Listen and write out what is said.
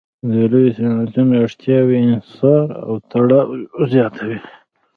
د لویو صنعتونو اړتیاوې انحصار او تړاو زیاتوي